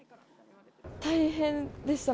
大変でした。